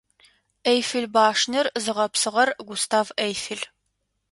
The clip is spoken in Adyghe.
Эйфел башнэр зыгъэпсыгъэр Густав Эйфел.